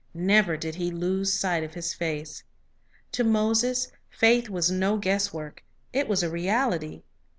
Never did he lose sight of His face. To Moses faith was no guesswork; it was a reality.